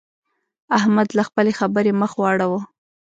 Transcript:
احمد له خپلې خبرې مخ واړاوو.